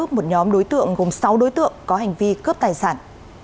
một nhóm đối tượng gồm sáu đối tượng có hành vi cướp tài sản